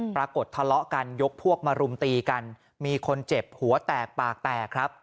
ปรากฏทะเลาะกันยกพวกมารุมตีกันมีคนเจ็บหัวแตกปากแตกครับ